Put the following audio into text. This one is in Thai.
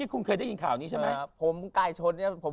ผมไก่ชนเนี่ยผมไม่เคยชอบเลยครับ